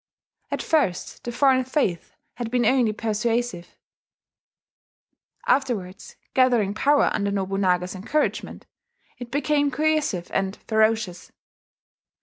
At first the foreign faith had been only persuasive; afterwards, gathering power under Nobunaga's encouragement, it became coercive and ferocious.